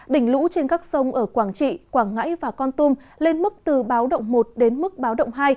đỉnh lũ trên các sông ở quảng trị quảng ngãi và con tum lên mức từ báo động một đến mức báo động hai